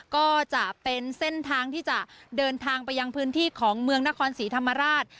ก็จะเป็นเส้นทางที่จะเดินทางไปยังพื้นที่ของเมืองนครศรีธรรมราช